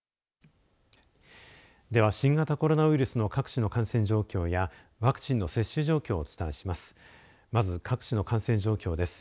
では、新型コロナウイルスの各地の感染状況やワクチンの接種状況をお伝えします。